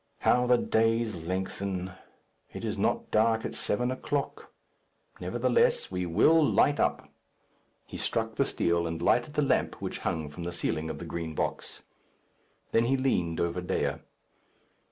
"How the days lengthen! It is not dark at seven o'clock. Nevertheless we will light up." He struck the steel and lighted the lamp which hung from the ceiling of the Green Box. Then he leaned over Dea.